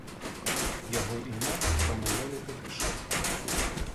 Яго імя прамаўлялі толькі шэптам.